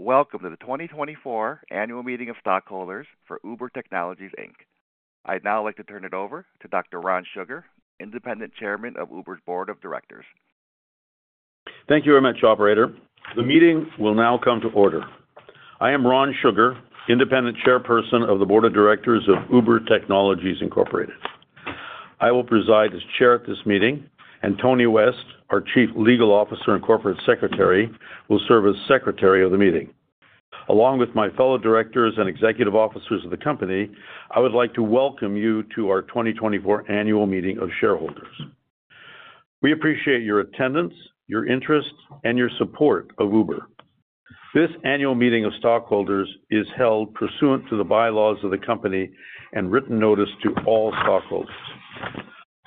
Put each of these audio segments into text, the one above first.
Welcome to the 2024 Annual Meeting of Stockholders for Uber Technologies, Inc. I'd now like to turn it over to Dr. Ron Sugar, Independent Chairman of Uber's Board of Directors. Thank you very much, operator. The meeting will now come to order. I am Ron Sugar, independent Chairperson of the Board of Directors of Uber Technologies, Incorporated. I will preside as chair at this meeting, and Tony West, our Chief Legal Officer and Corporate Secretary, will serve as Secretary of the meeting. Along with my fellow directors and executive officers of the company, I would like to welcome you to our 2024 Annual Meeting of Shareholders. We appreciate your attendance, your interest, and your support of Uber. This annual meeting of stockholders is held pursuant to the bylaws of the company and written notice to all stockholders.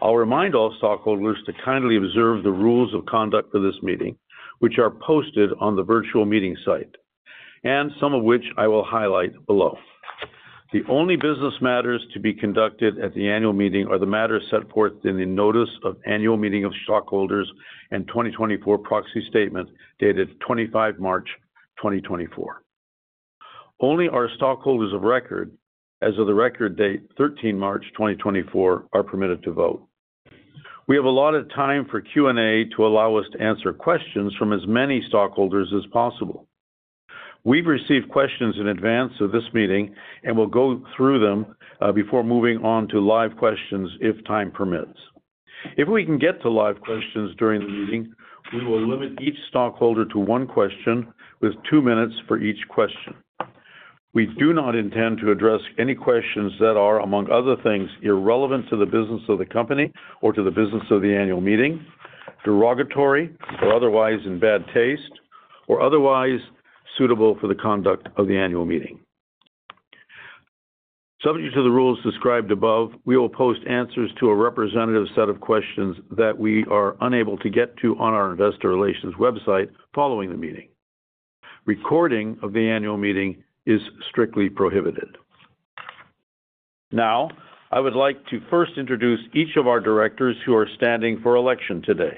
I'll remind all stockholders to kindly observe the rules of conduct for this meeting, which are posted on the virtual meeting site, and some of which I will highlight below. The only business matters to be conducted at the annual meeting are the matters set forth in the notice of annual meeting of stockholders and 2024 proxy statement, dated 25 March 2024. Only our stockholders of record as of the record date, 13 March 2024, are permitted to vote. We have allotted time for Q and A to allow us to answer questions from as many stockholders as possible. We've received questions in advance of this meeting, and we'll go through them, before moving on to live questions if time permits. If we can get to live questions during the meeting, we will limit each stockholder to one question, with two minutes for each question. We do not intend to address any questions that are, among other things, irrelevant to the business of the company or to the business of the annual meeting, derogatory or otherwise in bad taste, or otherwise suitable for the conduct of the annual meeting. Subject to the rules described above, we will post answers to a representative set of questions that we are unable to get to on our investor relations website following the meeting. Recording of the annual meeting is strictly prohibited. Now, I would like to first introduce each of our directors who are standing for election today.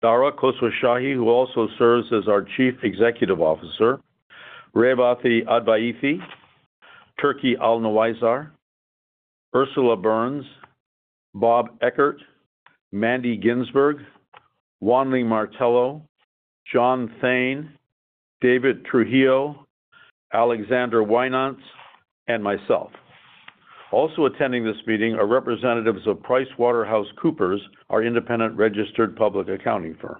Dara Khosrowshahi, who also serves as our Chief Executive Officer, Revathi Advaithi, Turqi Alnowaiser, Ursula Burns, Rob Eckert, Mandy Ginsberg, Wan Ling Martello, John Thain, David Trujillo, Alexander Wynaendts, and myself. Also attending this meeting are representatives of PricewaterhouseCoopers, our independent registered public accounting firm.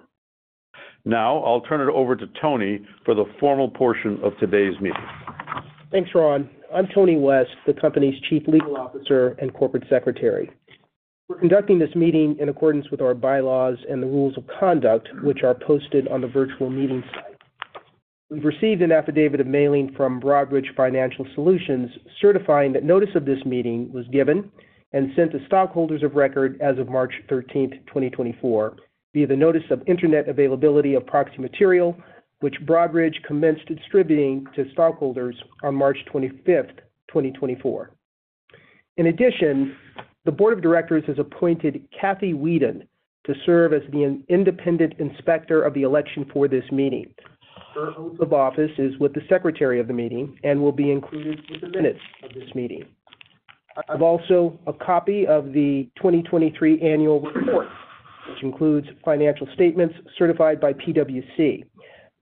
Now, I'll turn it over to Tony for the formal portion of today's meeting. Thanks, Ron. I'm Tony West, the company's Chief Legal Officer and Corporate Secretary. We're conducting this meeting in accordance with our bylaws and the rules of conduct, which are posted on the virtual meeting site. We've received an affidavit of mailing from Broadridge Financial Solutions, certifying that notice of this meeting was given and sent to stockholders of record as of March 13, 2024, via the notice of internet availability of proxy material, which Broadridge commenced distributing to stockholders on March 25, 2024. In addition, the board of directors has appointed Cathy Weeden to serve as the independent inspector of the election for this meeting. Her oath of office is with the secretary of the meeting and will be included with the minutes of this meeting. I've also a copy of the 2023 annual report, which includes financial statements certified by PwC.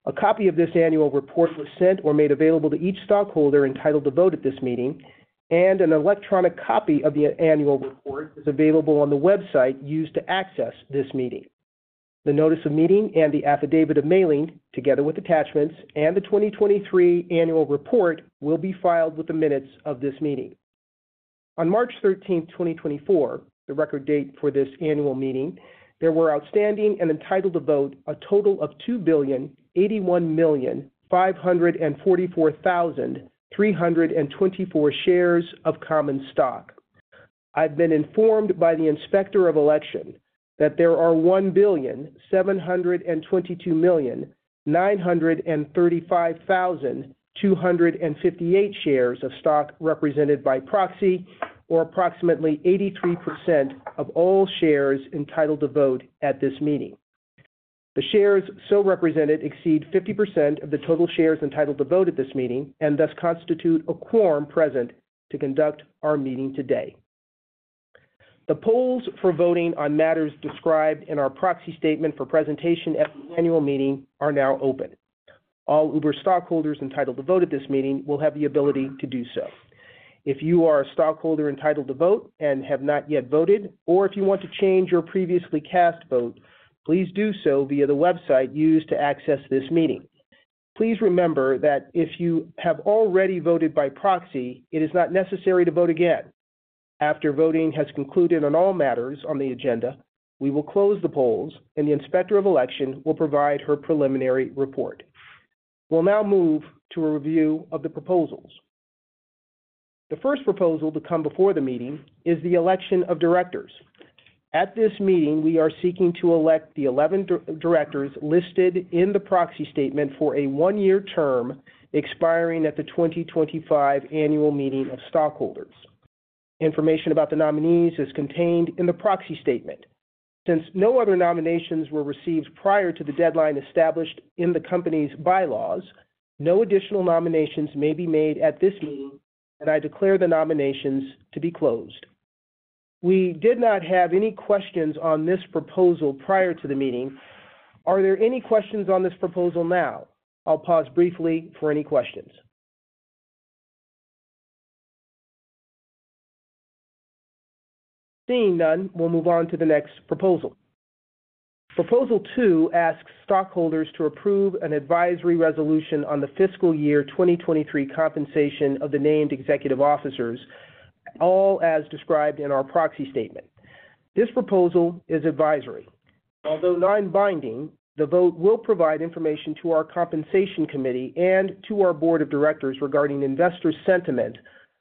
A copy of this annual report was sent or made available to each stockholder entitled to vote at this meeting, and an electronic copy of the annual report is available on the website used to access this meeting. The notice of meeting and the affidavit of mailing, together with attachments, and the 2023 annual report, will be filed with the minutes of this meeting. On March 13, 2024, the record date for this annual meeting, there were outstanding and entitled to vote a total of 2,081,544,324 shares of common stock. I've been informed by the Inspector of Election that there are 1,722,935,258 shares of stock represented by proxy, or approximately 83% of all shares entitled to vote at this meeting. The shares so represented exceed 50% of the total shares entitled to vote at this meeting, and thus constitute a quorum present to conduct our meeting today. The polls for voting on matters described in our proxy statement for presentation at the annual meeting are now open. All Uber stockholders entitled to vote at this meeting will have the ability to do so. If you are a stockholder entitled to vote and have not yet voted, or if you want to change your previously cast vote, please do so via the website used to access this meeting. Please remember that if you have already voted by proxy, it is not necessary to vote again. After voting has concluded on all matters on the agenda, we will close the polls, and the Inspector of Election will provide her preliminary report. We'll now move to a review of the proposals. The first proposal to come before the meeting is the election of directors. At this meeting, we are seeking to elect the 11 directors listed in the proxy statement for a one year term, expiring at the 2025 annual meeting of stockholders. Information about the nominees is contained in the proxy statement. Since no other nominations were received prior to the deadline established in the company's bylaws, no additional nominations may be made at this meeting, and I declare the nominations to be closed. We did not have any questions on this proposal prior to the meeting. Are there any questions on this proposal now? I'll pause briefly for any questions. Seeing none, we'll move on to the next proposal. Proposal 2 asks stockholders to approve an advisory resolution on the fiscal year 2023 compensation of the named executive officers, all as described in our proxy statement. This proposal is advisory. Although non-binding, the vote will provide information to our compensation committee and to our board of directors regarding investor sentiment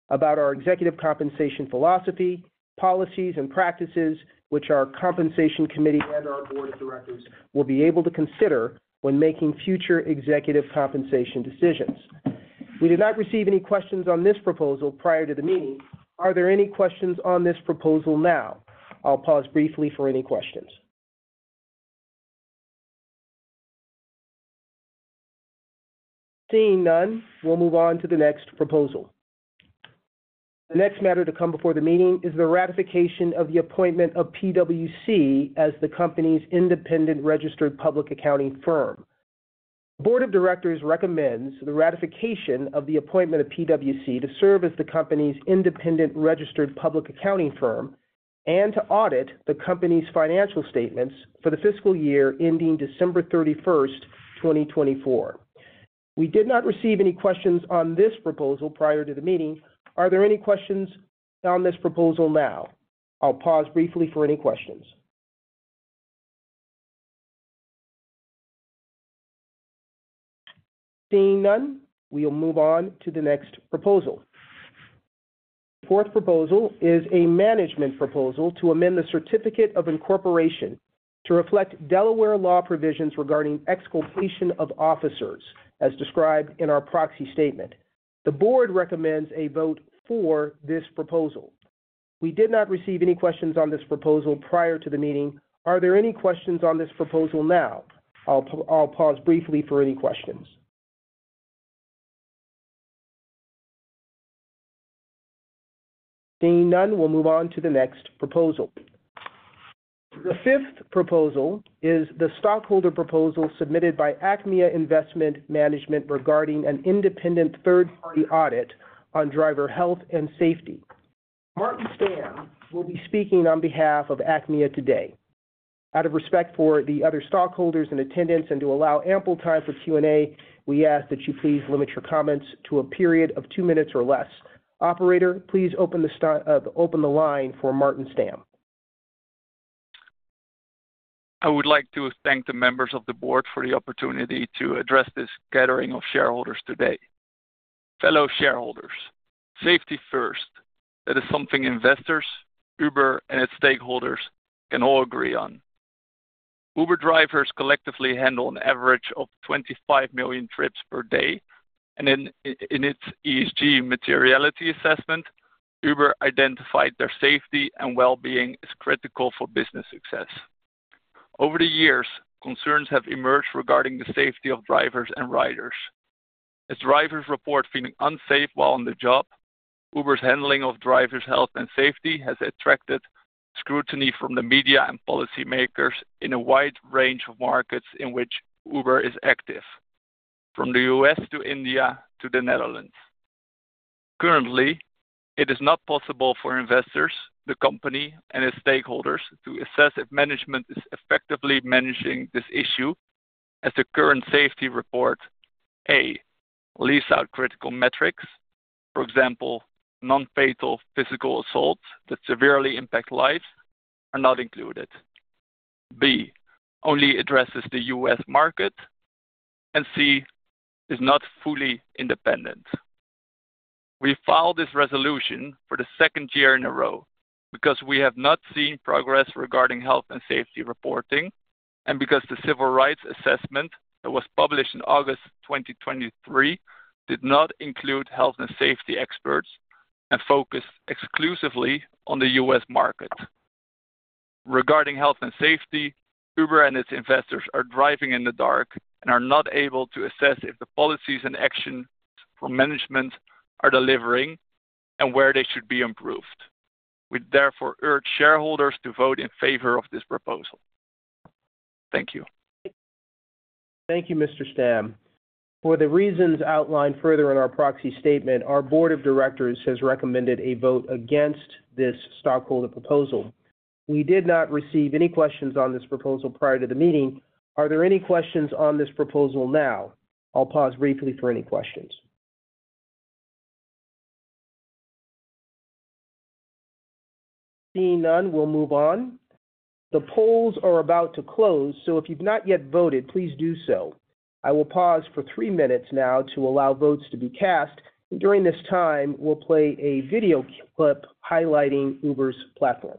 about our executive compensation philosophy, policies, and practices, which our compensation committee and our board of directors will be able to consider when making future executive compensation decisions. We did not receive any questions on this proposal prior to the meeting. Are there any questions on this proposal now? I'll pause briefly for any questions. Seeing none, we'll move on to the next proposal. The next matter to come before the meeting is the ratification of the appointment of PwC as the company's independent registered public accounting firm. Board of Directors recommends the ratification of the appointment of PwC to serve as the company's independent registered public accounting firm and to audit the company's financial statements for the fiscal year ending December 31, 2024. We did not receive any questions on this proposal prior to the meeting. Are there any questions on this proposal now? I'll pause briefly for any questions. Seeing none, we'll move on to the next proposal. Fourth proposal is a management proposal to amend the certificate of incorporation to reflect Delaware law provisions regarding exculpation of officers, as described in our proxy statement. The board recommends a vote for this proposal. We did not receive any questions on this proposal prior to the meeting. Are there any questions on this proposal now? I'll pause briefly for any questions. Seeing none, we'll move on to the next proposal. The 5th proposal is the stockholder proposal submitted by Achmea Investment Management regarding an independent third-party audit on driver health and safety. Martijn Stam will be speaking on behalf of Achmea today. Out of respect for the other stockholders in attendance and to allow ample time for Q and A, we ask that you please limit your comments to a period of two minutes or less. Operator, please open the line for Martijn Stam. I would like to thank the members of the board for the opportunity to address this gathering of shareholders today. Fellow shareholders, safety first. That is something investors, Uber, and its stakeholders can all agree on. Uber drivers collectively handle an average of 25 million trips per day, and in its ESG materiality assessment, Uber identified their safety and well-being as critical for business success. Over the years, concerns have emerged regarding the safety of drivers and riders. As drivers report feeling unsafe while on the job, Uber's handling of drivers' health and safety has attracted scrutiny from the media and policymakers in a wide range of markets in which Uber is active, from the U.S. to India to the Netherlands. Currently, it is not possible for investors, the company, and its stakeholders to assess if management is effectively managing this issue, as the current safety report, A, leaves out critical metrics. For example, non-fatal physical assaults that severely impact life are not included. B, only addresses the U.S. market, and C, is not fully independent. We filed this resolution for the second year in a row because we have not seen progress regarding health and safety reporting, and because the civil rights assessment that was published in August 2023 did not include health and safety experts and focused exclusively on the U.S. market. Regarding health and safety, Uber and its investors are driving in the dark and are not able to assess if the policies and actions from management are delivering and where they should be improved. We therefore urge shareholders to vote in favor of this proposal. Thank you. Thank you, Mr. Stam. For the reasons outlined further in our proxy statement, our board of directors has recommended a vote against this stockholder proposal. We did not receive any questions on this proposal prior to the meeting. Are there any questions on this proposal now? I'll pause briefly for any questions. Seeing none, we'll move on. The polls are about to close, so if you've not yet voted, please do so. I will pause for three minutes now to allow votes to be cast, and during this time, we'll play a video clip highlighting Uber's platform.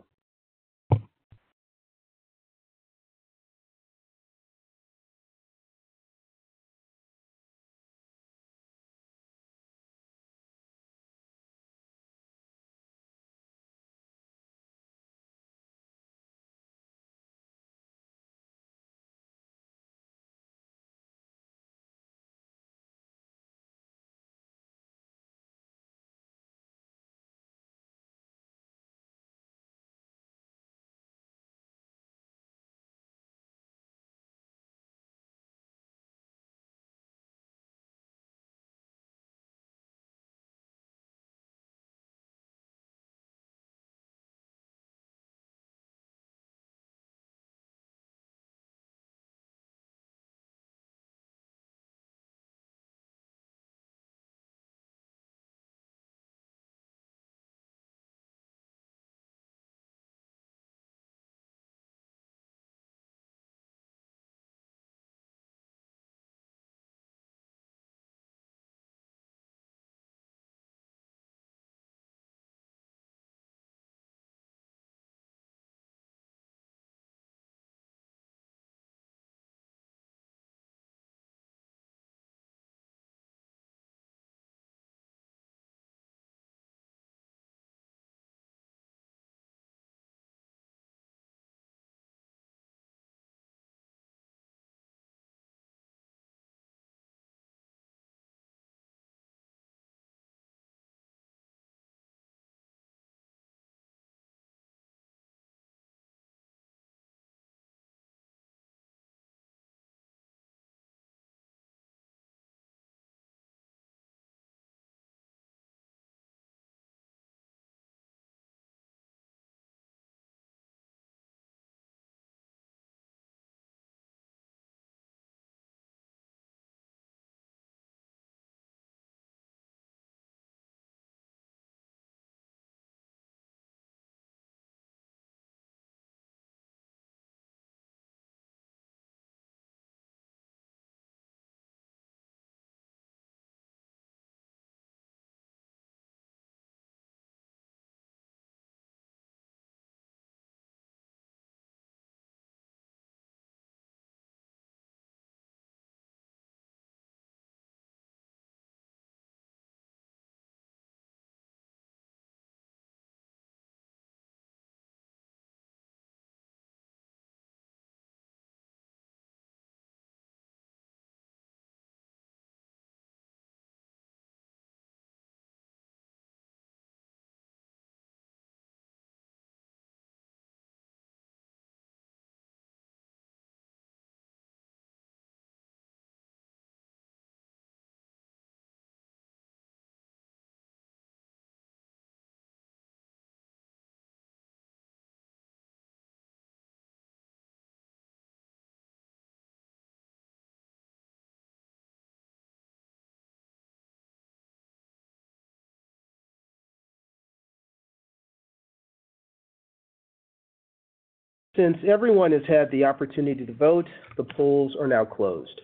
Since everyone has had the opportunity to vote, the polls are now closed.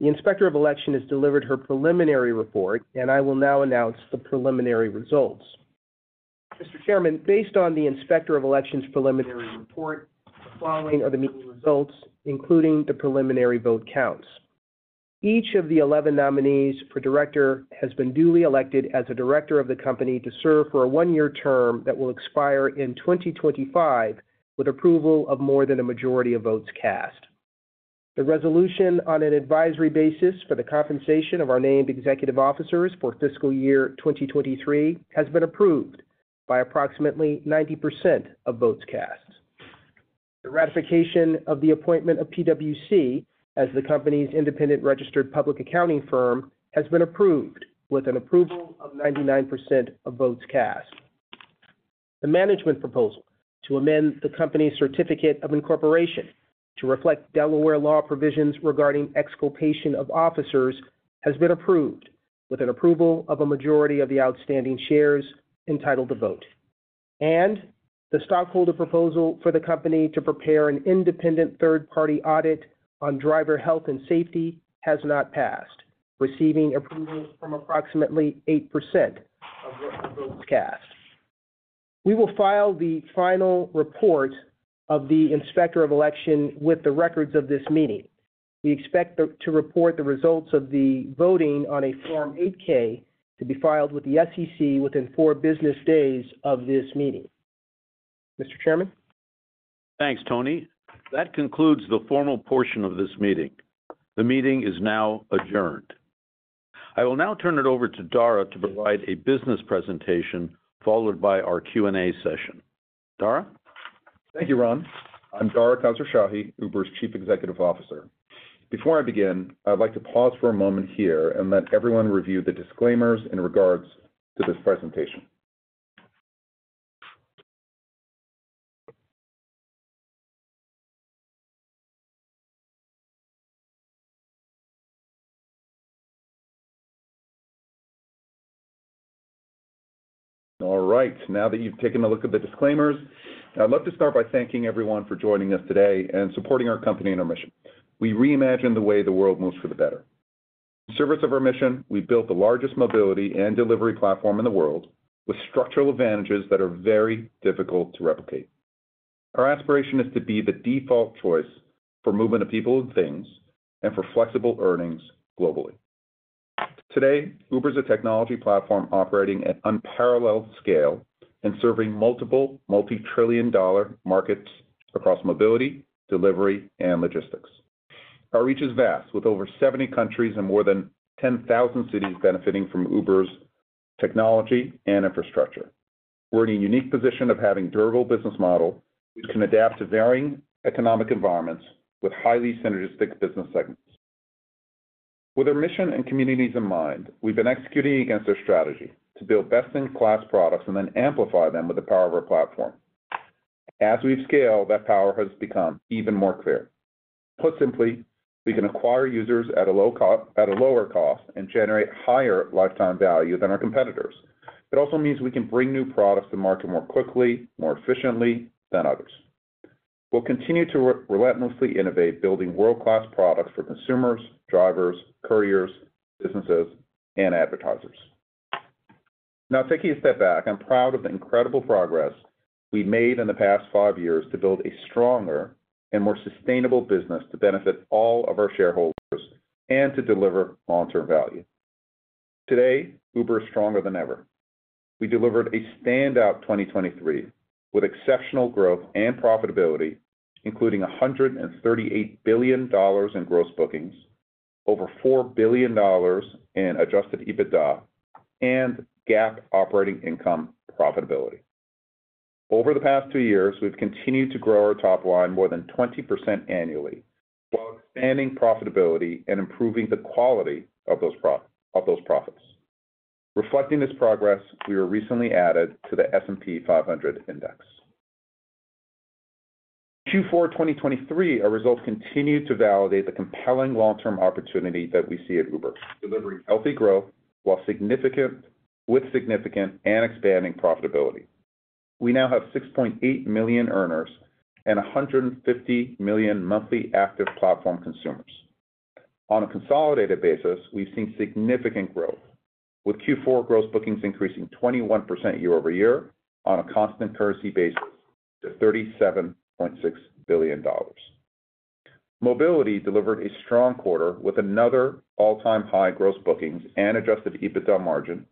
The Inspector of Election has delivered her preliminary report, and I will now announce the preliminary results. Mr. Chairman, based on the Inspector of Election's preliminary report, the following are the meeting results, including the preliminary vote counts. Each of the 11 nominees for director has been duly elected as a director of the company to serve for a one year term that will expire in 2025, with approval of more than a majority of votes cast. The resolution on an advisory basis for the compensation of our named executive officers for fiscal year 2023 has been approved by approximately 90% of votes cast. The ratification of the appointment of PwC as the company's independent registered public accounting firm has been approved, with an approval of 99% of votes cast. The management proposal to amend the company's certificate of incorporation to reflect Delaware law provisions regarding exculpation of officers, has been approved, with an approval of a majority of the outstanding shares entitled to vote. The stockholder proposal for the company to prepare an independent third-party audit on driver health and safety has not passed, receiving approval from approximately 8% of votes cast. We will file the final report of the Inspector of Election with the records of this meeting. We expect to report the results of the voting on a Form 8-K, to be filed with the SEC within four business days of this meeting. Mr. Chairman? Thanks, Tony. That concludes the formal portion of this meeting. The meeting is now adjourned. I will now turn it over to Dara to provide a business presentation, followed by our Q and A session. Dara? Thank you, Ron. I'm Dara Khosrowshahi, Uber's Chief Executive Officer. Before I begin, I'd like to pause for a moment here and let everyone review the disclaimers in regards to this presentation. All right, now that you've taken a look at the disclaimers, I'd love to start by thanking everyone for joining us today and supporting our company and our mission. We reimagine the way the world moves for the better. In service of our mission, we've built the largest mobility and delivery platform in the world, with structural advantages that are very difficult to replicate. Our aspiration is to be the default choice for movement of people and things, and for flexible earnings globally. Today, Uber is a technology platform operating at unparalleled scale and serving multiple multi-trillion dollar markets across mobility, delivery, and logistics. Our reach is vast, with over 70 countries and more than 10,000 cities benefiting from Uber's technology and infrastructure. We're in a unique position of having durable business model, which can adapt to varying economic environments with highly synergistic business segments. With our mission and communities in mind, we've been executing against our strategy to build best-in-class products and then amplify them with the power of our platform. As we've scaled, that power has become even more clear. Put simply, we can acquire users at a low cost- at a lower cost and generate higher lifetime value than our competitors. It also means we can bring new products to market more quickly, more efficiently than others. We'll continue to relentlessly innovate, building world-class products for consumers, drivers, couriers, businesses, and advertisers. Now, taking a step back, I'm proud of the incredible progress we've made in the past five years to build a stronger and more sustainable business to benefit all of our shareholders and to deliver long-term value. Today, Uber is stronger than ever. We delivered a standout 2023, with exceptional growth and profitability, including $138 billion in Gross Bookings, over $4 billion in Adjusted EBITDA, and GAAP operating income profitability. Over the past two years, we've continued to grow our top line more than 20% annually, while expanding profitability and improving the quality of those profits. Reflecting this progress, we were recently added to the S&P 500 index. Q4 2023, our results continued to validate the compelling long-term opportunity that we see at Uber, delivering healthy growth with significant and expanding profitability. We now have 6.8 million earners and 150 million monthly active platform consumers. On a consolidated basis, we've seen significant growth, with Q4 Gross Bookings increasing 21% year-over-year on a constant currency basis to $37.6 billion. Mobility delivered a strong quarter with another all-time high Gross Bookings and Adjusted EBITDA margin,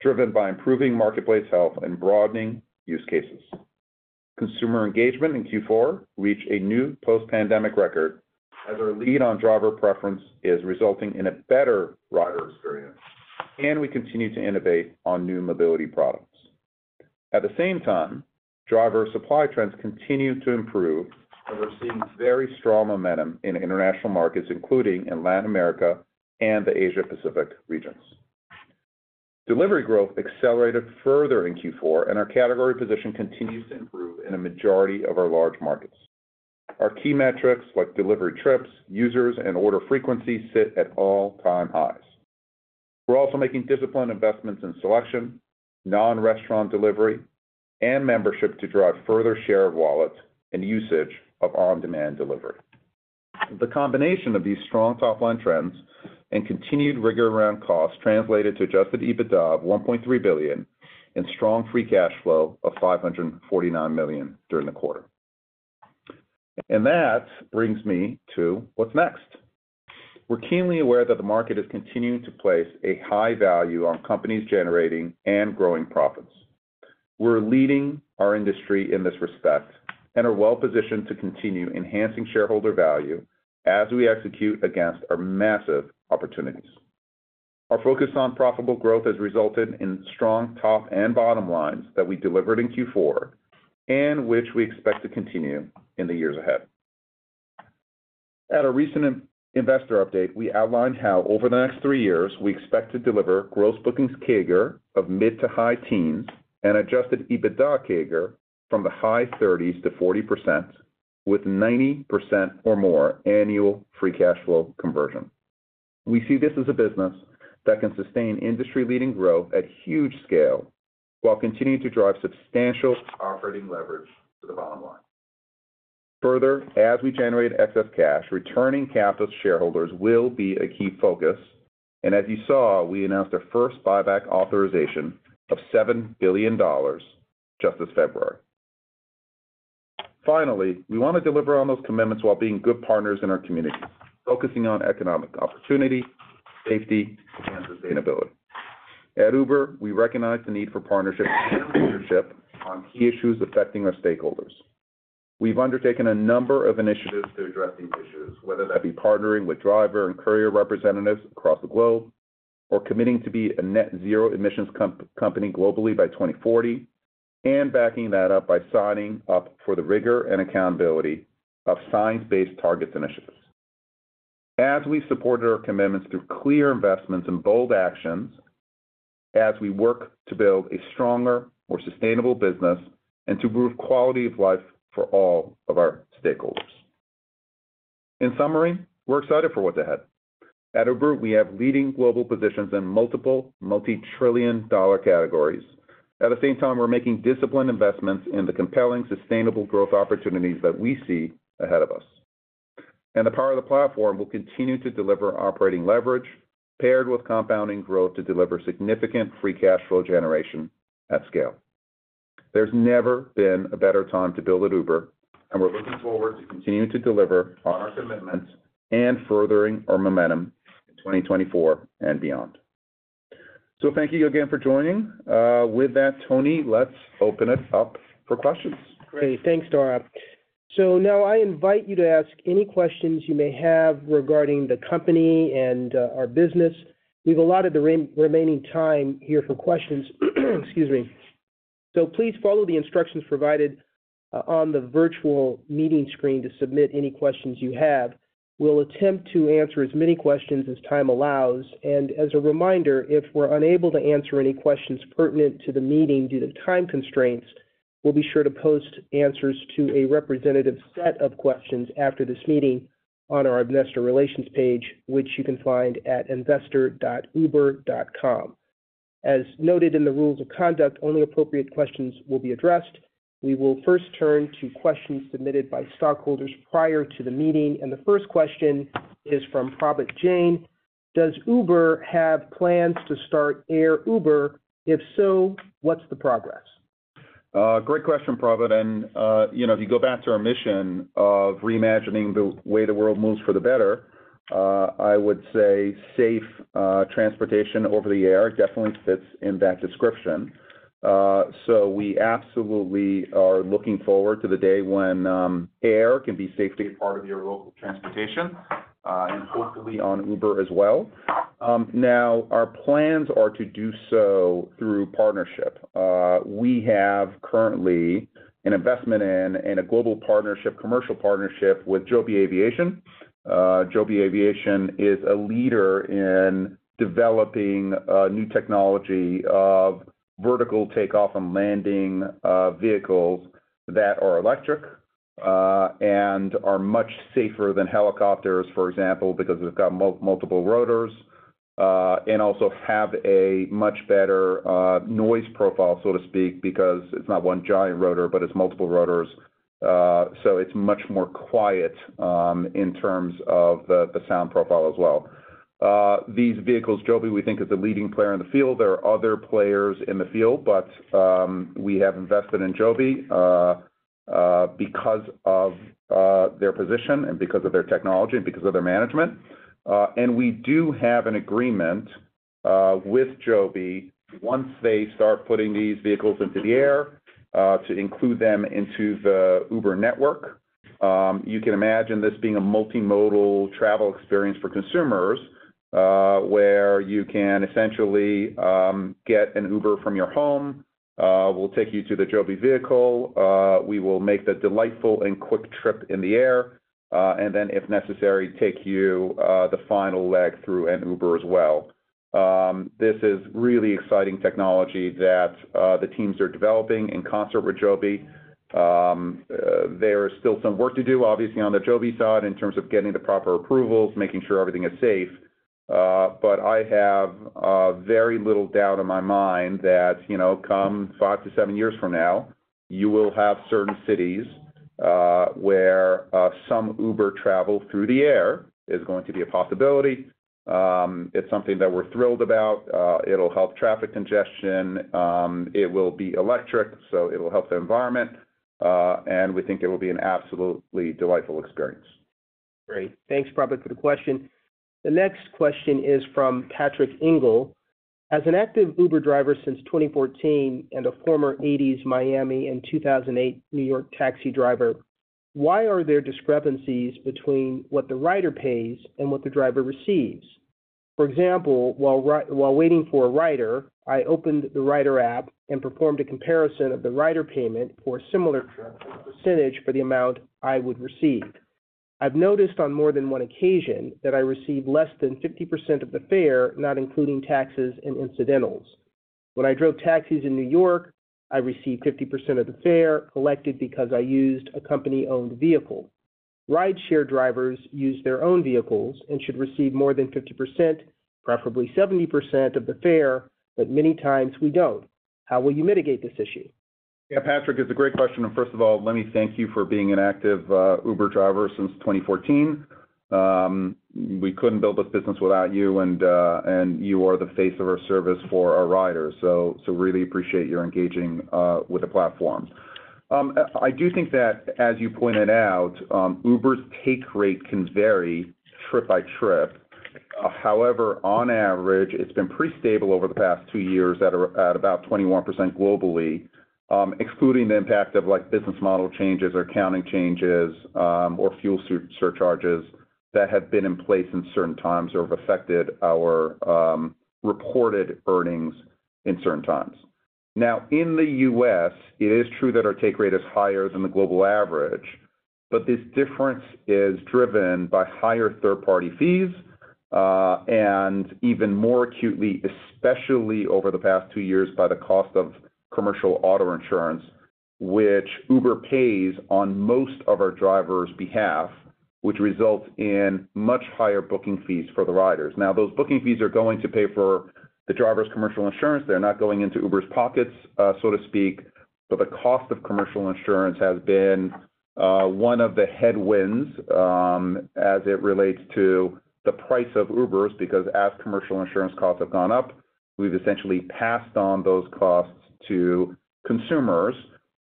driven by improving marketplace health and broadening use cases. Consumer engagement in Q4 reached a new post-pandemic record, as our lead on driver preference is resulting in a better rider experience, and we continue to innovate on new mobility products. At the same time, driver supply trends continue to improve, and we're seeing very strong momentum in international markets, including in Latin America and the Asia Pacific regions. Delivery growth accelerated further in Q4, and our category position continues to improve in a majority of our large markets. Our key metrics, like delivery trips, users, and order frequency, sit at all-time highs. We're also making disciplined investments in selection, non-restaurant delivery, and membership to drive further share of wallet and usage of on-demand delivery. The combination of these strong top-line trends and continued rigor around costs translated to Adjusted EBITDA of $1.3 billion and strong free cash flow of $549 million during the quarter. That brings me to what's next. We're keenly aware that the market is continuing to place a high value on companies generating and growing profits. We're leading our industry in this respect and are well positioned to continue enhancing shareholder value as we execute against our massive opportunities. Our focus on profitable growth has resulted in strong top and bottom lines that we delivered in Q4 and which we expect to continue in the years ahead. At a recent investor update, we outlined how over the next three years, we expect to deliver Gross Bookings CAGR of mid- to high-teens and Adjusted EBITDA CAGR from the high 30s-40%, with 90% or more annual free cash flow conversion. We see this as a business that can sustain industry-leading growth at huge scale, while continuing to drive substantial operating leverage to the bottom line. Further, as we generate excess cash, returning capital to shareholders will be a key focus, and as you saw, we announced our first buyback authorization of $7 billion just this February. Finally, we want to deliver on those commitments while being good partners in our communities, focusing on economic opportunity, safety, and sustainability. At Uber, we recognize the need for partnership and leadership on key issues affecting our stakeholders. We've undertaken a number of initiatives to address these issues, whether that be partnering with driver and courier representatives across the globe or committing to be a net zero emissions company globally by 2040, and backing that up by signing up for the rigor and accountability of science-based targets initiatives. As we support our commitments through clear investments and bold actions, as we work to build a stronger, more sustainable business and to improve quality of life for all of our stakeholders. In summary, we're excited for what's ahead. At Uber, we have leading global positions in multiple multi-trillion-dollar categories. At the same time, we're making disciplined investments in the compelling, sustainable growth opportunities that we see ahead of us... and the power of the platform will continue to deliver operating leverage, paired with compounding growth, to deliver significant free cash flow generation at scale. There's never been a better time to build at Uber, and we're looking forward to continuing to deliver on our commitments and furthering our momentum in 2024 and beyond. So thank you again for joining. With that, Tony, let's open it up for questions. Great. Thanks, Dara. So now I invite you to ask any questions you may have regarding the company and our business. We've allotted the remaining time here for questions, excuse me. So please follow the instructions provided on the virtual meeting screen to submit any questions you have. We'll attempt to answer as many questions as time allows, and as a reminder, if we're unable to answer any questions pertinent to the meeting due to time constraints, we'll be sure to post answers to a representative set of questions after this meeting on our investor relations page, which you can find at investor.uber.com. As noted in the rules of conduct, only appropriate questions will be addressed. We will first turn to questions submitted by stockholders prior to the meeting, and the first question is from Prabhat Jain. Does Uber have plans to start Air Uber? If so, what's the progress? Great question, Prabhat, and, you know, if you go back to our mission of reimagining the way the world moves for the better, I would say safe transportation over the Air definitely fits in that description. So we absolutely are looking forward to the day when air can be safely a part of your local transportation, and hopefully on Uber as well. Now, our plans are to do so through partnership. We have currently an investment in and a global partnership, commercial partnership with Joby Aviation. Joby Aviation is a leader in developing new technology of vertical takeoff and landing vehicles that are electric and are much safer than helicopters, for example, because they've got multiple rotors and also have a much better noise profile, so to speak, because it's not one giant rotor, but it's multiple rotors. So it's much more quiet in terms of the sound profile as well. These vehicles, Joby, we think, is a leading player in the field. There are other players in the field, but we have invested in Joby because of their position and because of their technology and because of their management. We do have an agreement with Joby once they start putting these vehicles into the air to include them into the Uber network. You can imagine this being a multimodal travel experience for consumers, where you can essentially get an Uber from your home, we'll take you to the Joby vehicle, we will make the delightful and quick trip in the air, and then, if necessary, take you the final leg through an Uber as well. This is really exciting technology that the teams are developing in concert with Joby. There is still some work to do, obviously, on the Joby side in terms of getting the proper approvals, making sure everything is safe, but I have very little doubt in my mind that, you know, come 5-7 years from now, you will have certain cities where some Uber travel through the air is going to be a possibility. It's something that we're thrilled about. It'll help traffic congestion, it will be electric, so it will help the environment, and we think it will be an absolutely delightful experience. Great. Thanks, Prabhat, for the question. The next question is from Patrick Ingle: As an active Uber driver since 2014 and a former 1980s Miami and 2008 New York taxi driver, why are there discrepancies between what the rider pays and what the driver receives? For example, while waiting for a rider, I opened the rider app and performed a comparison of the rider payment for a similar trip percentage for the amount I would receive. I've noticed on more than one occasion that I receive less than 50% of the fare, not including taxes and incidentals. When I drove taxis in New York, I received 50% of the fare collected because I used a company-owned vehicle. Rideshare drivers use their own vehicles and should receive more than 50%, preferably 70%, of the fare, but many times we don't. How will you mitigate this issue? Yeah, Patrick, it's a great question, and first of all, let me thank you for being an active Uber driver since 2014. We couldn't build this business without you, and you are the face of our service for our riders, so really appreciate your engaging with the platform. I do think that, as you pointed out, Uber's take rate can vary trip by trip. However, on average, it's been pretty stable over the past two years at about 21% globally, excluding the impact of, like, business model changes or accounting changes, or fuel surcharges that have been in place in certain times or have affected our reported earnings in certain times. Now, in the U.S., it is true that our take rate is higher than the global average, but this difference is driven by higher third-party fees, and even more acutely, especially over the past two years, by the cost of commercial auto insurance, which Uber pays on most of our drivers' behalf, which results in much higher booking fees for the riders. Now, those booking fees are going to pay for the driver's commercial insurance. They're not going into Uber's pockets, so to speak... So the cost of commercial insurance has been one of the headwinds as it relates to the price of Uber's, because as commercial insurance costs have gone up, we've essentially passed on those costs to consumers,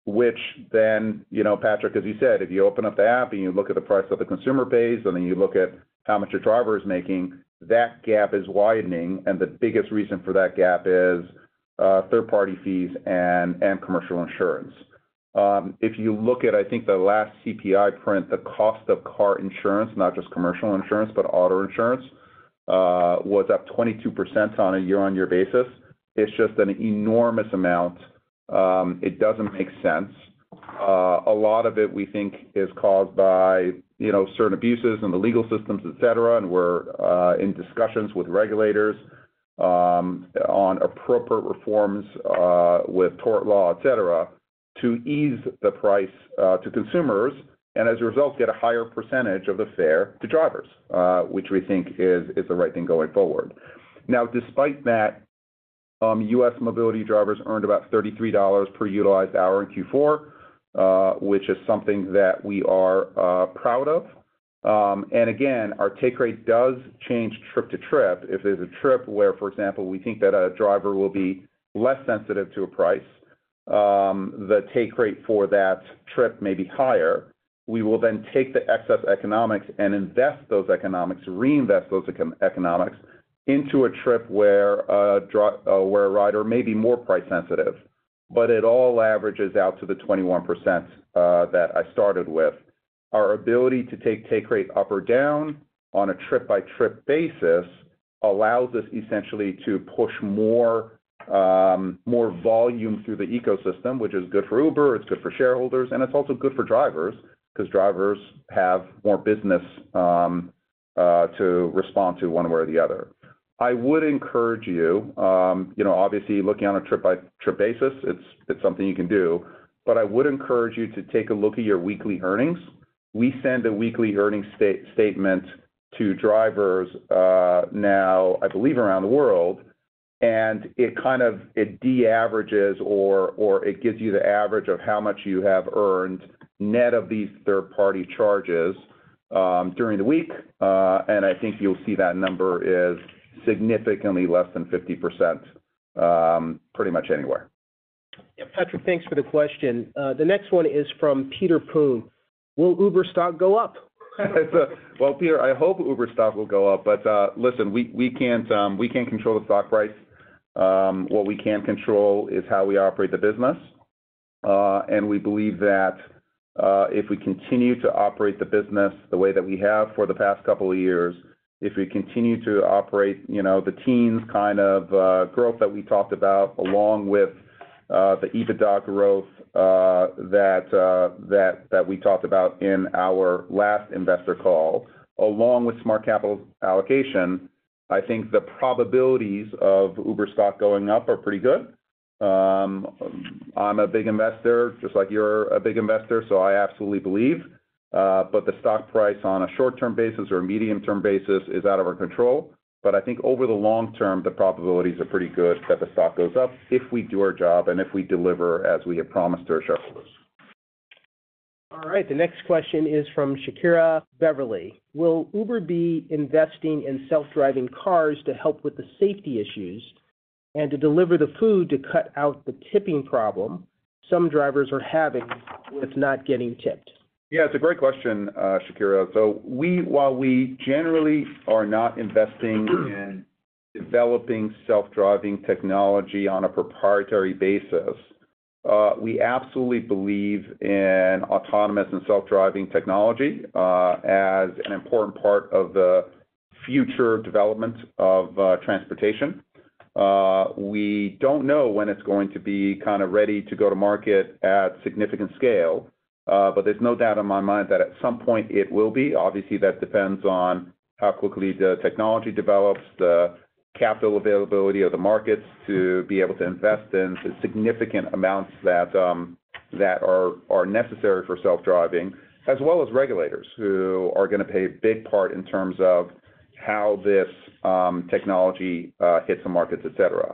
which then, you know, Patrick, as you said, if you open up the app and you look at the price that the consumer pays, and then you look at how much a driver is making, that gap is widening, and the biggest reason for that gap is third-party fees and commercial insurance. If you look at, I think, the last CPI print, the cost of car insurance, not just commercial insurance, but auto insurance, was up 22% on a year-on-year basis. It's just an enormous amount. It doesn't make sense. A lot of it, we think, is caused by, you know, certain abuses in the legal systems, et cetera, and we're in discussions with regulators on appropriate reforms with tort law, et cetera, to ease the price to consumers, and as a result, get a higher percentage of the fare to drivers, which we think is the right thing going forward. Now, despite that, U.S. mobility drivers earned about $33 per utilized hour in Q4, which is something that we are proud of. And again, our take rate does change trip to trip. If there's a trip where, for example, we think that a driver will be less sensitive to a price, the take rate for that trip may be higher. We will then take the excess economics and invest those economics, reinvest those economics into a trip where a rider may be more price sensitive. But it all averages out to the 21% that I started with. Our ability to take rate up or down on a trip-by-trip basis allows us essentially to push more volume through the ecosystem, which is good for Uber, it's good for shareholders, and it's also good for drivers, 'cause drivers have more business to respond to one way or the other. I would encourage you, you know, obviously, looking on a trip-by-trip basis, it's something you can do, but I would encourage you to take a look at your weekly earnings. We send a weekly earnings statement to drivers, now, I believe, around the world, and it kind of deaverages or, or it gives you the average of how much you have earned net of these third-party charges, during the week, and I think you'll see that number is significantly less than 50%, pretty much anywhere. Yeah, Patrick, thanks for the question. The next one is from Peter Poon: "Will Uber stock go up? Well, Peter, I hope Uber stock will go up, but, listen, we, we can't control the stock price. What we can control is how we operate the business. And we believe that, if we continue to operate the business the way that we have for the past couple of years, if we continue to operate, you know, the teens kind of growth that we talked about, along with the EBITDA growth, that we talked about in our last investor call, along with smart capital allocation, I think the probabilities of Uber stock going up are pretty good. I'm a big investor, just like you're a big investor, so I absolutely believe, but the stock price on a short-term basis or a medium-term basis is out of our control. But I think over the long term, the probabilities are pretty good that the stock goes up, if we do our job and if we deliver as we have promised our shareholders. All right, the next question is from Shakira Beverly: "Will Uber be investing in self-driving cars to help with the safety issues and to deliver the food to cut out the tipping problem some drivers are having with not getting tipped? Yeah, it's a great question, Shakira. So, while we generally are not investing in developing self-driving technology on a proprietary basis, we absolutely believe in autonomous and self-driving technology as an important part of the future development of transportation. We don't know when it's going to be kind of ready to go to market at significant scale, but there's no doubt in my mind that at some point it will be. Obviously, that depends on how quickly the technology develops, the capital availability of the markets to be able to invest in the significant amounts that are necessary for self-driving, as well as regulators, who are gonna play a big part in terms of how this technology hits the markets, et cetera.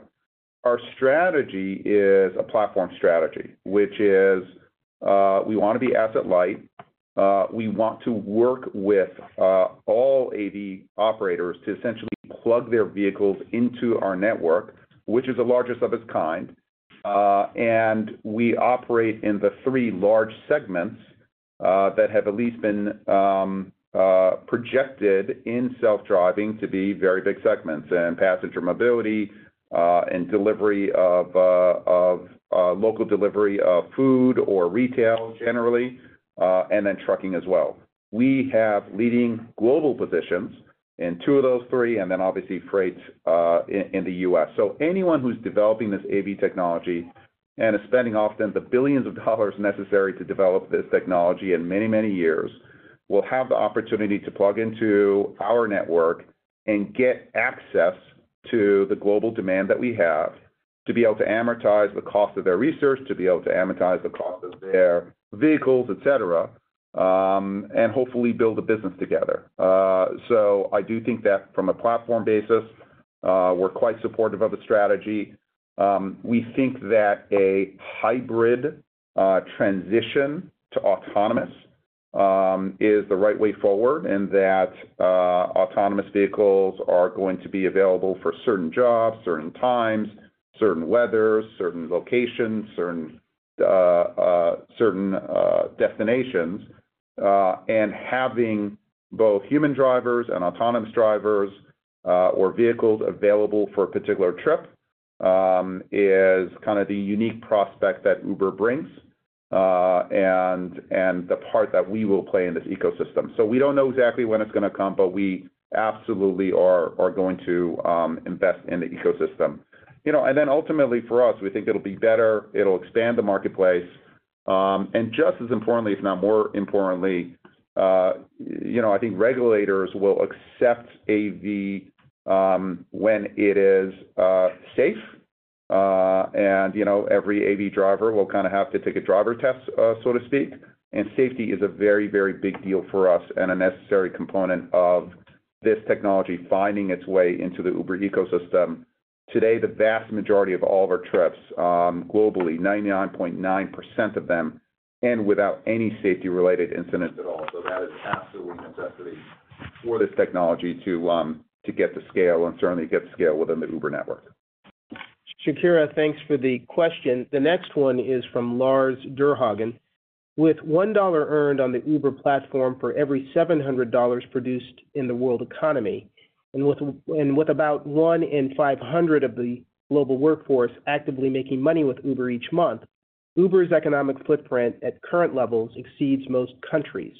Our strategy is a platform strategy, which is, we wanna be asset light. We want to work with all AV operators to essentially plug their vehicles into our network, which is the largest of its kind, and we operate in the three large segments that have at least been projected in self-driving to be very big segments, in passenger mobility, in delivery of local delivery of food or retail generally, and then trucking as well. We have leading global positions in two of those three, and then obviously, freight in the U.S. So anyone who's developing this AV technology and is spending often the billions of dollars necessary to develop this technology in many, many years, will have the opportunity to plug into our network and get access to the global demand that we have, to be able to amortize the cost of their research, to be able to amortize the cost of their vehicles, et cetera, and hopefully build a business together. So I do think that from a platform basis, we're quite supportive of the strategy. We think that a hybrid transition to autonomous is the right way forward, and that autonomous vehicles are going to be available for certain jobs, certain times, certain weathers, certain locations, certain destinations. And having both human drivers and autonomous drivers, or vehicles available for a particular trip, is kind of the unique prospect that Uber brings, and the part that we will play in this ecosystem. So we don't know exactly when it's gonna come, but we absolutely are going to invest in the ecosystem. You know, and then ultimately for us, we think it'll be better, it'll expand the marketplace. And just as importantly, if not more importantly, you know, I think regulators will accept AV when it is safe. And you know, every AV driver will kind of have to take a driver test, so to speak, and safety is a very, very big deal for us and a necessary component of this technology finding its way into the Uber ecosystem. Today, the vast majority of all of our trips, globally, 99.9% of them, end without any safety-related incidents at all. That is absolutely a necessity for this technology to get to scale and certainly get to scale within the Uber network. Shakira, thanks for the question. The next one is from Lars Dyrhagen. With $1 earned on the Uber platform for every $700 produced in the world economy, and with about one in 500 of the global workforce actively making money with Uber each month, Uber's economic footprint at current levels exceeds most countries.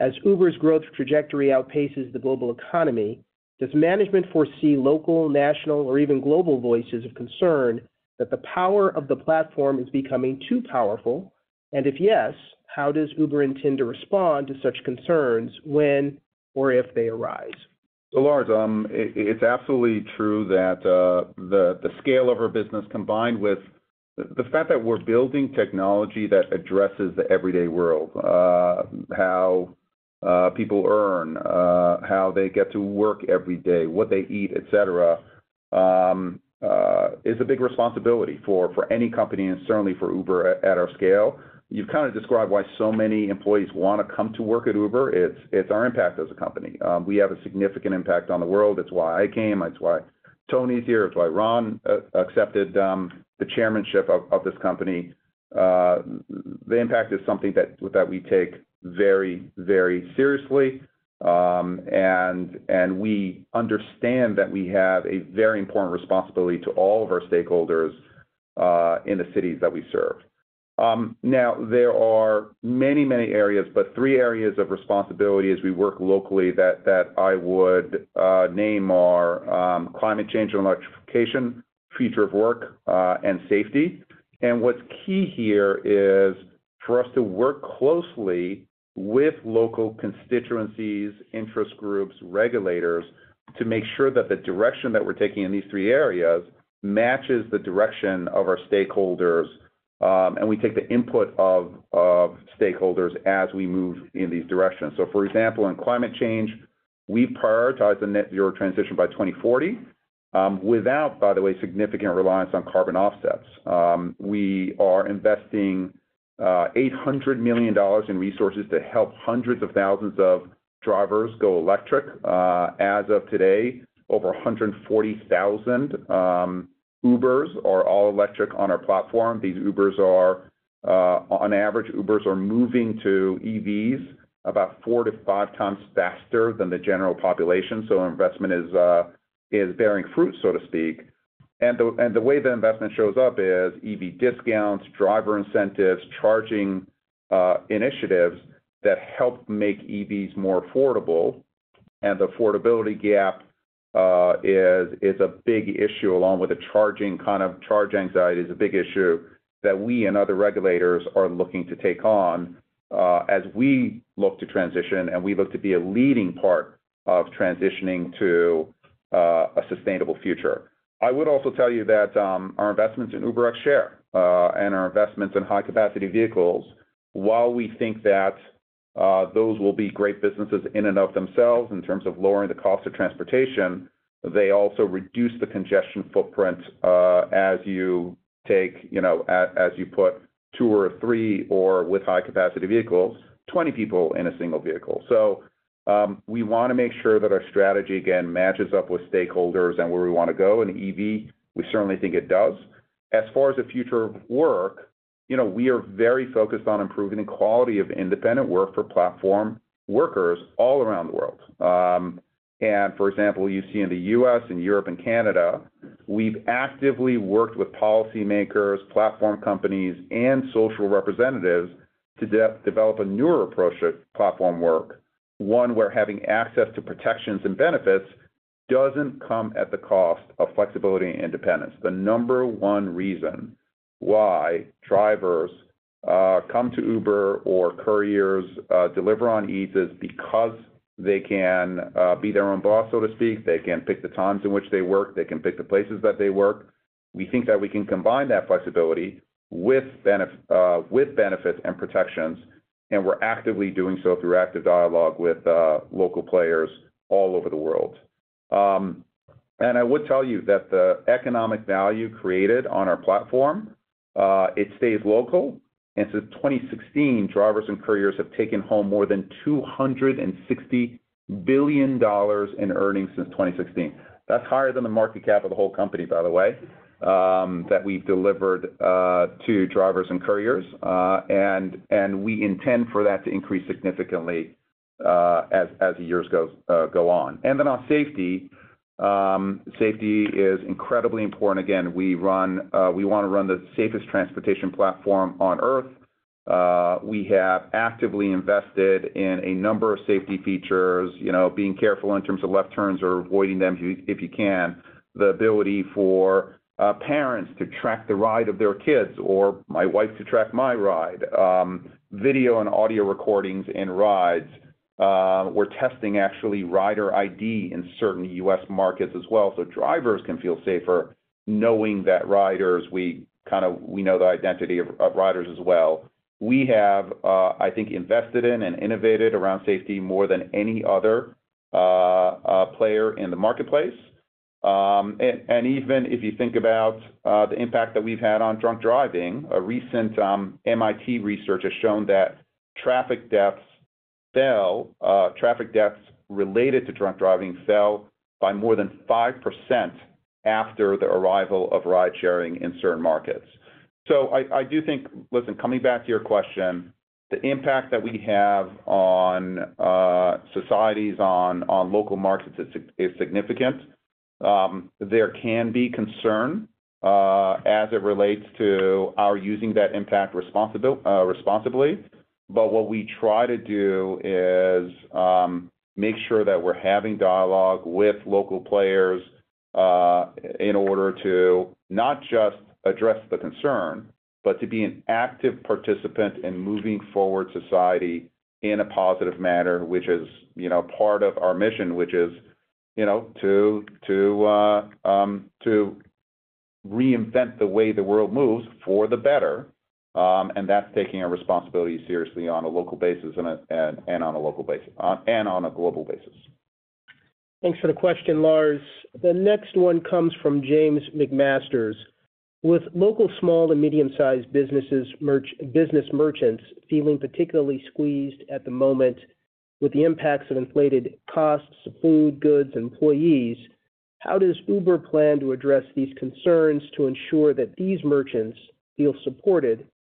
As Uber's growth trajectory outpaces the global economy, does management foresee local, national, or even global voices of concern that the power of the platform is becoming too powerful? And if yes, how does Uber intend to respond to such concerns when or if they arise? So, Lars, it's absolutely true that the scale of our business, combined with the fact that we're building technology that addresses the everyday world, how people earn, how they get to work every day, what they eat, et cetera, is a big responsibility for any company and certainly for Uber at our scale. You've kind of described why so many employees wanna come to work at Uber. It's our impact as a company. We have a significant impact on the world. That's why I came, that's why Tony's here, it's why Ron accepted the chairmanship of this company. The impact is something that we take very, very seriously, and we understand that we have a very important responsibility to all of our stakeholders in the cities that we serve. Now, there are many, many areas, but three areas of responsibility as we work locally, that I would name are climate change and electrification, future of work, and safety. What's key here is for us to work closely with local constituencies, interest groups, regulators, to make sure that the direction that we're taking in these three areas matches the direction of our stakeholders, and we take the input of stakeholders as we move in these directions. For example, in climate change, we prioritize the net zero transition by 2040, without, by the way, significant reliance on carbon offsets. We are investing $800 million in resources to help hundreds of thousands of drivers go electric. As of today, over 140,000 Ubers are all electric on our platform. These Ubers are, on average, Ubers are moving to EVs about 4-5 times faster than the general population, so investment is, is bearing fruit, so to speak. And the, and the way the investment shows up is EV discounts, driver incentives, charging, initiatives that help make EVs more affordable. And the affordability gap, is, is a big issue, along with the charging, kind of, charge anxiety is a big issue that we and other regulators are looking to take on, as we look to transition, and we look to be a leading part of transitioning to, a sustainable future. I would also tell you that, our investments in UberX Share, and our investments in high-capacity vehicles, while we think that, those will be great businesses in and of themselves in terms of lowering the cost of transportation, they also reduce the congestion footprint, as you take, you know, as you put two or three, or with high-capacity vehicles, 20 people in a single vehicle. So, we wanna make sure that our strategy, again, matches up with stakeholders and where we wanna go in EV. We certainly think it does. As far as the future of work, you know, we are very focused on improving the quality of independent work for platform workers all around the world. And for example, you see in the U.S. and Europe and Canada, we've actively worked with policymakers, platform companies, and social representatives to develop a newer approach at platform work, one where having access to protections and benefits doesn't come at the cost of flexibility and independence. The number one reason why drivers come to Uber or couriers deliver on Eats is because they can be their own boss, so to speak. They can pick the times in which they work, they can pick the places that they work... We think that we can combine that flexibility with benefits and protections, and we're actively doing so through active dialogue with local players all over the world. And I would tell you that the economic value created on our platform, it stays local, and since 2016, drivers and couriers have taken home more than $260 billion in earnings since 2016. That's higher than the market cap of the whole company, by the way, that we've delivered to drivers and couriers. And we intend for that to increase significantly, as the years goes go on. And then on safety, safety is incredibly important. Again, we want to run the safest transportation platform on Earth. We have actively invested in a number of safety features, you know, being careful in terms of left turns or avoiding them if you, if you can, the ability for parents to track the ride of their kids, or my wife to track my ride, video and audio recordings in rides. We're testing actually rider ID in certain US markets as well, so drivers can feel safer knowing that riders, we know the identity of riders as well. We have, I think, invested in and innovated around safety more than any other player in the marketplace. And even if you think about the impact that we've had on drunk driving, a recent MIT research has shown that traffic deaths fell, traffic deaths related to drunk driving fell by more than 5% after the arrival of ride-sharing in certain markets. So I do think. Listen, coming back to your question, the impact that we have on societies, on local markets is significant. There can be concern, as it relates to our using that impact responsibly, but what we try to do is make sure that we're having dialogue with local players in order to not just address the concern, but to be an active participant in moving forward society in a positive manner, which is, you know, part of our mission, which is, you know, to reinvent the way the world moves for the better. And that's taking our responsibility seriously on a local basis and on a global basis. Thanks for the question, Lars. The next one comes from James McMasters: With local small and medium-sized business merchants feeling particularly squeezed at the moment with the impacts of inflated costs of food, goods,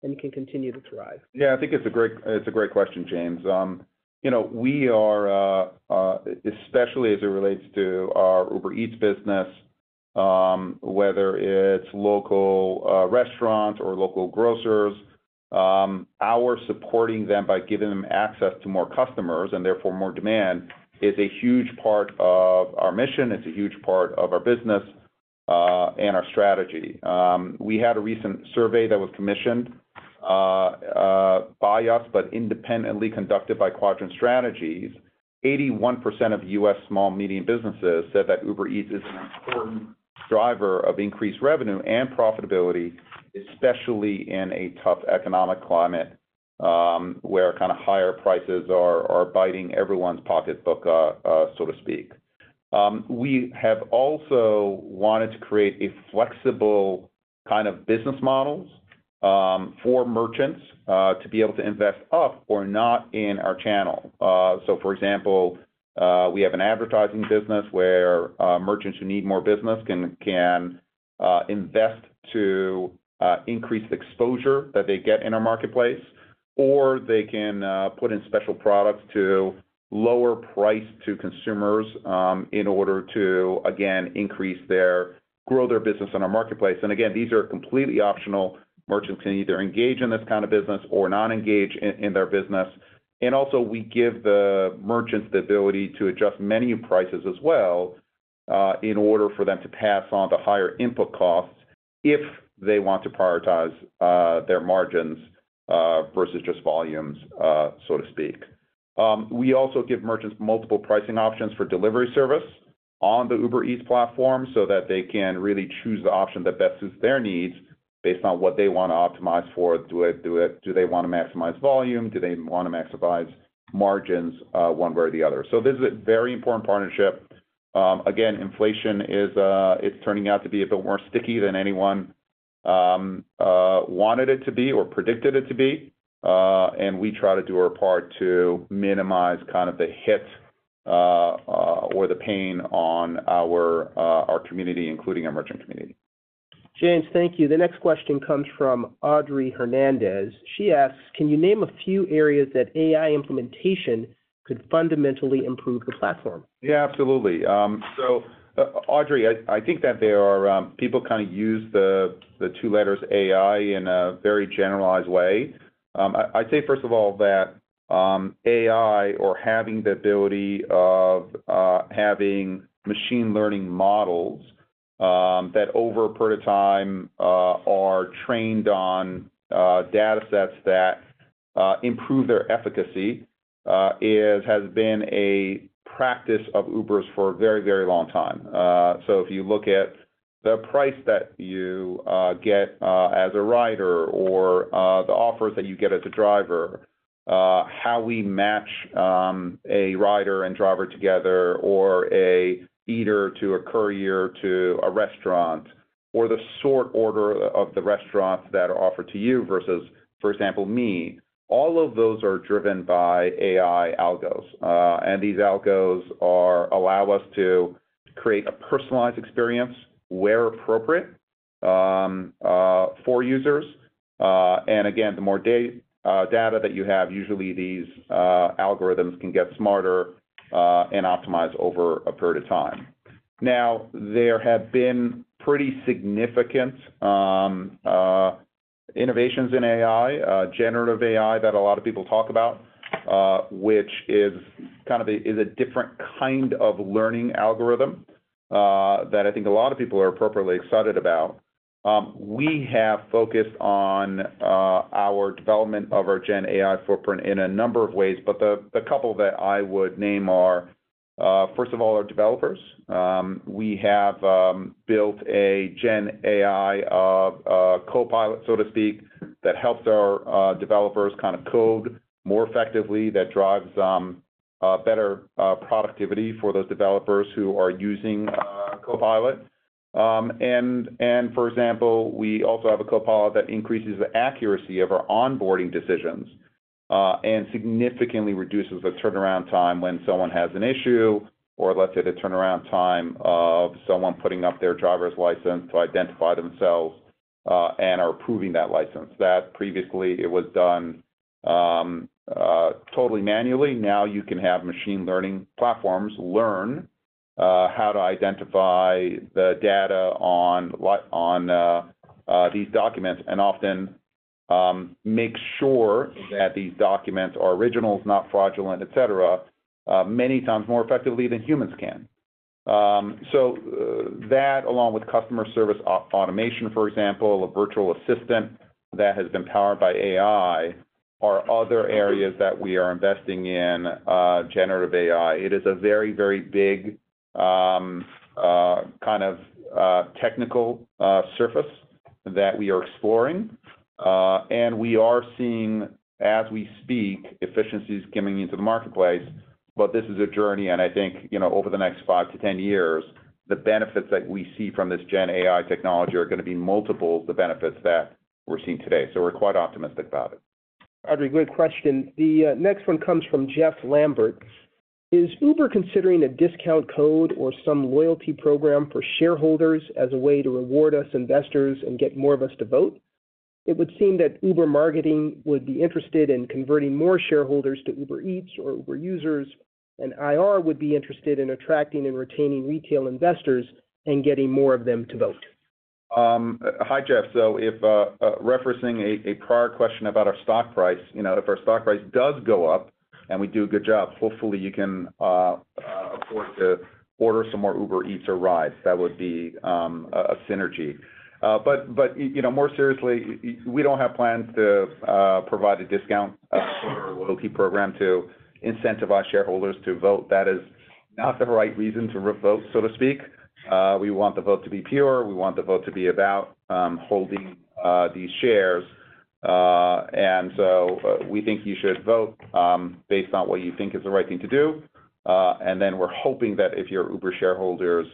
and employees, how does Uber plan to address these concerns to ensure that these merchants feel supported and can continue to thrive? Yeah, I think it's a great, it's a great question, James. You know, we are especially as it relates to our Uber Eats business, whether it's local restaurants or local grocers, our supporting them by giving them access to more customers, and therefore more demand, is a huge part of our mission. It's a huge part of our business, and our strategy. We had a recent survey that was commissioned by us, but independently conducted by Quadrant Strategies. 81% of U.S. small, medium businesses said that Uber Eats is an important driver of increased revenue and profitability, especially in a tough economic climate, where kind of higher prices are biting everyone's pocketbook, so to speak. We have also wanted to create a flexible kind of business models for merchants to be able to invest up or not in our channel. So for example, we have an advertising business where merchants who need more business can invest to increase the exposure that they get in our marketplace, or they can put in special products to lower price to consumers in order to, again, increase their, grow their business in our marketplace. And again, these are completely optional. Merchants can either engage in this kind of business or not engage in their business. And also, we give the merchants the ability to adjust menu prices as well in order for them to pass on the higher input costs if they want to prioritize their margins versus just volumes so to speak. We also give merchants multiple pricing options for delivery service on the Uber Eats platform, so that they can really choose the option that best suits their needs, based on what they want to optimize for. Do they want to maximize volume? Do they want to maximize margins, one way or the other? So this is a very important partnership. Again, inflation is turning out to be a bit more sticky than anyone wanted it to be or predicted it to be, and we try to do our part to minimize kind of the hit or the pain on our community, including our merchant community. James, thank you. The next question comes from Audrey Hernandez. She asks: Can you name a few areas that AI implementation could fundamentally improve the platform? Yeah, absolutely. Audrey, I think that there are people kind of use the two letters AI in a very generalized way. I'd say, first of all, that AI or having the ability of having machine learning models that over a period of time are trained on data sets that improve their efficacy has been a practice of Uber's for a very, very long time. So if you look at the price that you get as a rider or the offers that you get as a driver, how we match a rider and driver together, or an eater to a courier to a restaurant, or the sort order of the restaurants that are offered to you versus, for example, me, all of those are driven by AI algos. And these algos allow us to create a personalized experience, where appropriate, for users. And again, the more data that you have, usually these algorithms can get smarter, and optimize over a period of time. Now, there have been pretty significant innovations in AI, generative AI, that a lot of people talk about, which is kind of a different kind of learning algorithm, that I think a lot of people are appropriately excited about. We have focused on our development of our Gen AI footprint in a number of ways, but the couple that I would name are, first of all, our developers. We have built a Gen AI Copilot, so to speak, that helps our developers kind of code more effectively, that drives better productivity for those developers who are using Copilot. And for example, we also have a copilot that increases the accuracy of our onboarding decisions and significantly reduces the turnaround time when someone has an issue, or let's say, the turnaround time of someone putting up their driver's license to identify themselves and are approving that license. That previously, it was done totally manually. Now you can have machine learning platforms learn how to identify the data on these documents, and often make sure that these documents are originals, not fraudulent, et cetera, many times more effectively than humans can. So, that, along with customer service automation, for example, a virtual assistant that has been powered by AI, are other areas that we are investing in, generative AI. It is a very, very big, kind of, technical, surface that we are exploring. And we are seeing, as we speak, efficiencies coming into the marketplace, but this is a journey, and I think, you know, over the next 5-10 years, the benefits that we see from this Gen AI technology are gonna be multiple the benefits that we're seeing today. So we're quite optimistic about it. Audrey, good question. The next one comes from Jeff Lambert: Is Uber considering a discount code or some loyalty program for shareholders as a way to reward us investors and get more of us to vote? It would seem that Uber marketing would be interested in converting more shareholders to Uber Eats or Uber users, and IR would be interested in attracting and retaining retail investors and getting more of them to vote. Hi, Jeff. So if referencing a prior question about our stock price, you know, if our stock price does go up and we do a good job, hopefully you can afford to order some more Uber Eats or rides. That would be a synergy. But you know, more seriously, we don't have plans to provide a discount or a loyalty program to incentivize shareholders to vote. That is not the right reason to vote, so to speak. We want the vote to be pure. We want the vote to be about holding these shares. And so we think you should vote based on what you think is the right thing to do. And then we're hoping that if you're Uber shareholders,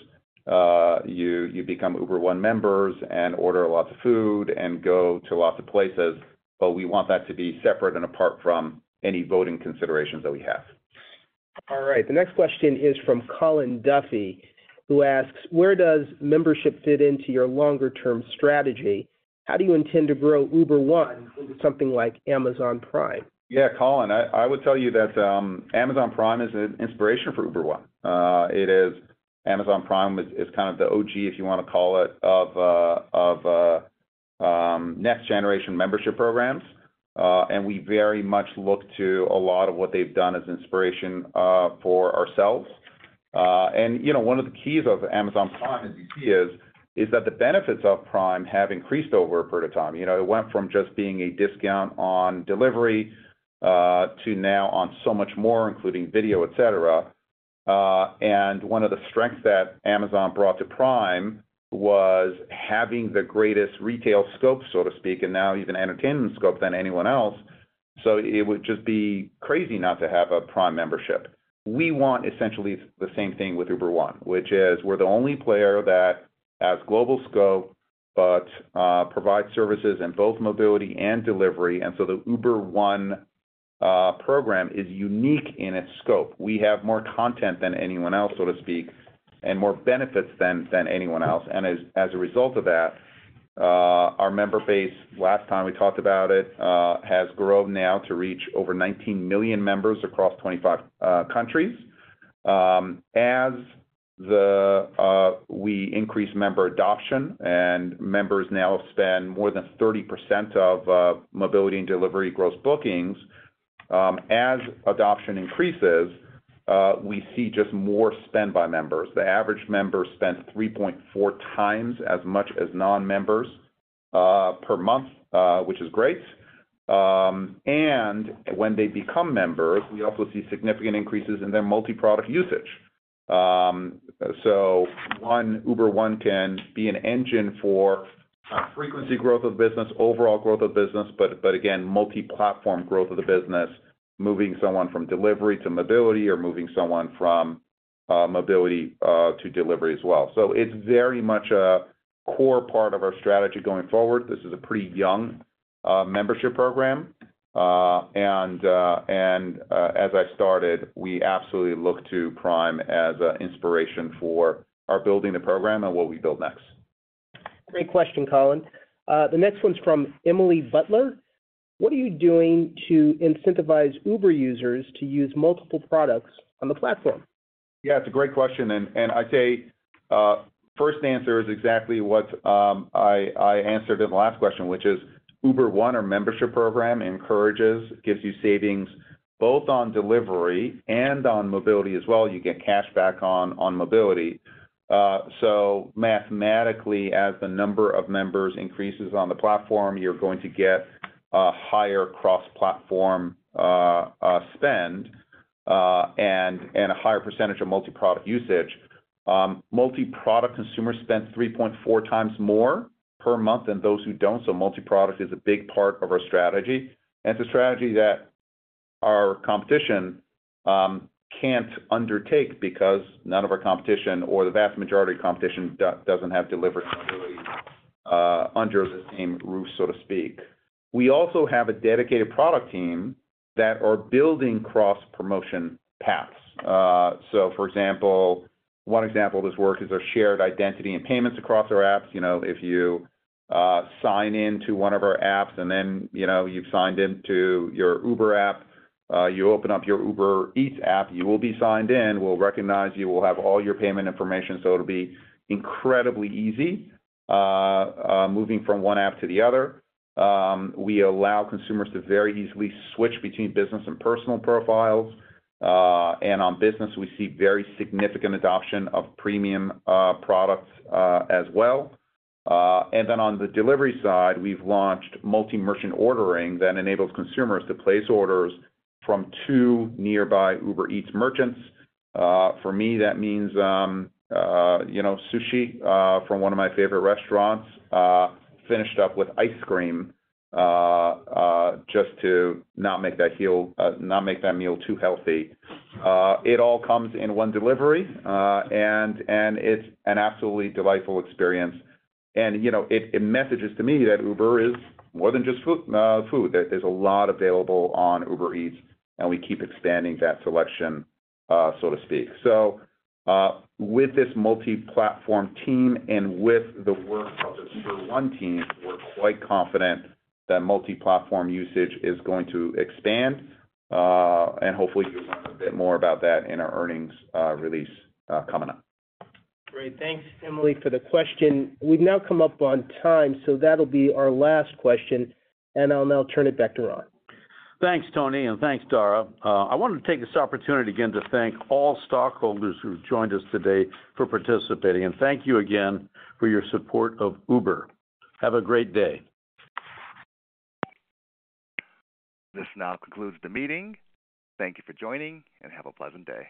you become Uber One members and order lots of food and go to lots of places, but we want that to be separate and apart from any voting considerations that we have. All right, the next question is from Colin Duffy, who asks: Where does membership fit into your longer-term strategy? How do you intend to grow Uber One into something like Amazon Prime? Yeah, Colin, I would tell you that Amazon Prime is an inspiration for Uber One. It is... Amazon Prime is kind of the OG, if you wanna call it, of next generation membership programs. And we very much look to a lot of what they've done as inspiration for ourselves. And you know, one of the keys of Amazon Prime, as you see, is that the benefits of Prime have increased over a period of time. You know, it went from just being a discount on delivery to now on so much more, including video, et cetera. And one of the strengths that Amazon brought to Prime was having the greatest retail scope, so to speak, and now even entertainment scope than anyone else, so it would just be crazy not to have a Prime membership. We want essentially the same thing with Uber One, which is we're the only player that has global scope, but provides services in both mobility and delivery, and so the Uber One program is unique in its scope. We have more content than anyone else, so to speak, and more benefits than anyone else. As a result of that, our member base, last time we talked about it, has grown now to reach over 19 million members across 25 countries. As we increase member adoption, and members now spend more than 30% of mobility and deliveryGross Bookings. As adoption increases, we see just more spend by members. The average member spends 3.4 times as much as non-members per month, which is great. And when they become members, we also see significant increases in their multi-product usage. So one, Uber One can be an engine for frequency growth of business, overall growth of business, but, but again, multi-platform growth of the business, moving someone from delivery to mobility, or moving someone from mobility to delivery as well. So it's very much a core part of our strategy going forward. This is a pretty young membership program. And as I started, we absolutely look to Prime as an inspiration for our building the program and what we build next. Great question, Colin. The next one's from Emily Butler: What are you doing to incentivize Uber users to use multiple products on the platform? Yeah, it's a great question, and I'd say first answer is exactly what I answered in the last question, which is Uber One, our membership program, encourages, gives you savings, both on delivery and on mobility as well. You get cashback on mobility. So mathematically, as the number of members increases on the platform, you're going to get a higher cross-platform spend and a higher percentage of multi-product usage. Multi-product consumers spend 3.4 times more per month than those who don't, so multi-product is a big part of our strategy. And it's a strategy that our competition can't undertake because none of our competition, or the vast majority of competition, doesn't have delivery and mobility under the same roof, so to speak. We also have a dedicated product team that are building cross-promotion paths. So for example, one example of this work is our shared identity and payments across our apps. You know, if you sign in to one of our apps, and then, you know, you've signed into your Uber app, you open up your Uber Eats app, you will be signed in. We'll recognize you, we'll have all your payment information, so it'll be incredibly easy moving from one app to the other. We allow consumers to very easily switch between business and personal profiles. And on business, we see very significant adoption of premium products as well. And then on the delivery side, we've launched multi-merchant ordering that enables consumers to place orders from two nearby Uber Eats merchants. For me, that means, you know, sushi from one of my favorite restaurants, finished up with ice cream, just to not make that meal too healthy. It all comes in one delivery, and it's an absolutely delightful experience. And, you know, it messages to me that Uber is more than just food, food. That there's a lot available on Uber Eats, and we keep expanding that selection, so to speak. So, with this multi-platform team and with the work of the Uber One team, we're quite confident that multi-platform usage is going to expand, and hopefully, you'll learn a bit more about that in our earnings release, coming up. Great. Thanks, Emily, for the question. We've now come up on time, so that'll be our last question, and I'll now turn it back to Ron. Thanks, Tony, and thanks, Dara. I wanted to take this opportunity again to thank all stockholders who've joined us today for participating. Thank you again for your support of Uber. Have a great day. This now concludes the meeting. Thank you for joining, and have a pleasant day.